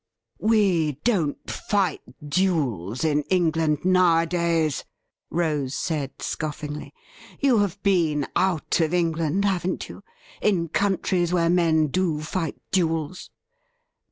' We don't fight duels in England nowadays !' Rose said scoffingly. ' You have been out of England, haven't you — in countries where men do fight duels